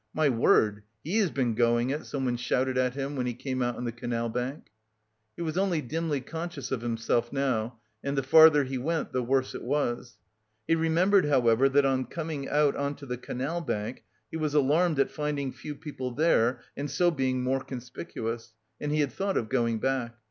"My word, he has been going it!" someone shouted at him when he came out on the canal bank. He was only dimly conscious of himself now, and the farther he went the worse it was. He remembered however, that on coming out on to the canal bank, he was alarmed at finding few people there and so being more conspicuous, and he had thought of turning back.